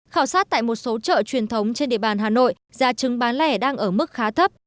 khảo sát tại một số chợ truyền thống trên địa bàn hà nội giá trứng bán lẻ đang ở mức khá thấp